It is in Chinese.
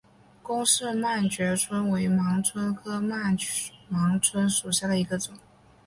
龚氏曼盲蝽为盲蝽科曼盲蝽属下的一个种。